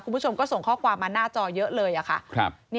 คุณผู้ชมก็ส่งข้อความมาหน้าจอเยอะเลยค่ะ